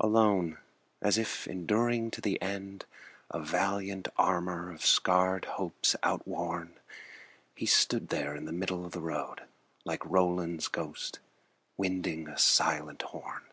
Alone, as if enduring to the end A valiant armor of scarred hopes outworn. He stood there in the middle of the road Like Roland's ghost winding a silent horn.